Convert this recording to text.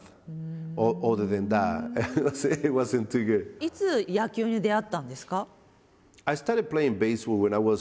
いつ野球に出会ったんですか？